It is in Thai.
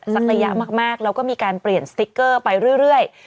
ระยะมากแล้วก็มีการเปลี่ยนสติ๊กเกอร์ไปเรื่อย